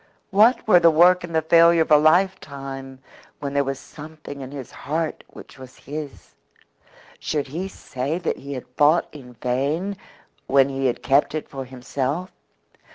What were the work and the failure of a lifetime when there was something in his heart which was his? Should he say that he had fought in vain when he had kept it for himself?